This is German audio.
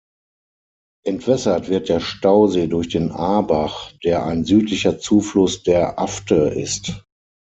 Entwässert wird der Stausee durch den Aabach, der ein südlicher Zufluss der Afte ist.